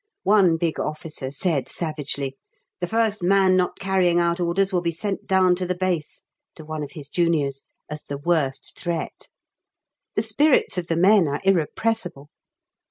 One big officer said savagely, "The first man not carrying out orders will be sent down to the base," to one of his juniors, as the worst threat. The spirits of the men are irrepressible.